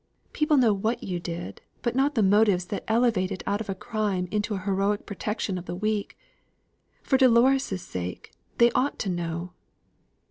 People know what you did; but not the motives that elevate it out of a crime into an heroic protection of the weak. For Dolores' sake, they ought to know."